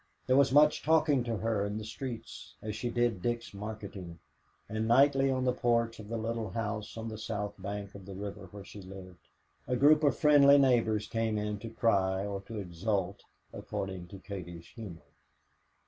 There was much talking to her in the streets as she did Dick's marketing, and nightly on the porch of the little house on the south bank of the river where she lived a group of friendly neighbors came in to cry or to exult according to Katie's humor.